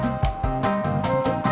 ya siap siap